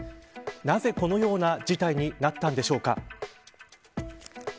なぜ、このような事態になったのでしょうか。